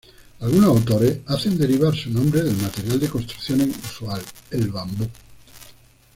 Algunos autores hacen derivar su nombre del material de construcción usual: el bambú.